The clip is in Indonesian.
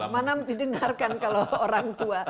mana didengarkan kalau orang tua